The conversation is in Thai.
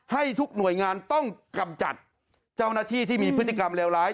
ให้ทุกหน่วยงานต้องกำจัดเจ้าหน้าที่ที่มีพฤติกรรมเลวร้าย